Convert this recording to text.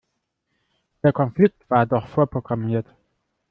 Der Konflikt war doch vorprogrammiert.